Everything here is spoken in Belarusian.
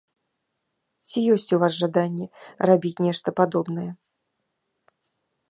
Ці ёсць у вас жаданне рабіць нешта падобнае?